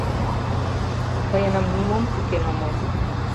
Тыйыным нимом тӱкен омыл.